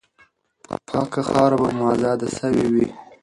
پاکه خاوره به مو آزاده سوې وي.